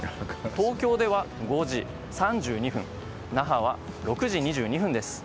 東京では５時３２分那覇は６時２２分です。